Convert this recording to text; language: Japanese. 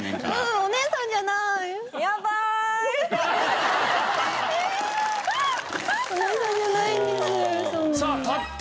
お姉さんじゃないんです。